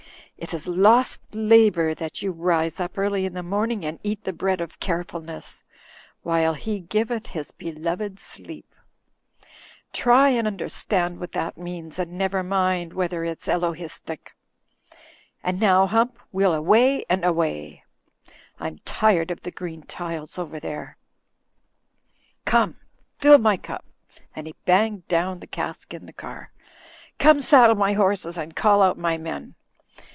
It is lost labour that you rise up early in the morning and eat 246 THE FLYING INN the bread of carefulness; while He giveth His be loved sleep/ Try and understand what that means, and never mind whether it's Elohistia And now, Hump, weTl away and away. I'm tired of the green tiles over there. Come, fill up my cup," and he banged down the cask in the car, "come saddle my horses and call out my men.